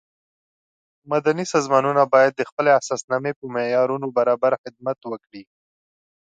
مدني سازمانونه باید د خپلې اساسنامې په معیارونو برابر خدمت وکړي.